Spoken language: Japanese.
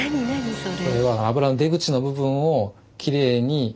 それ。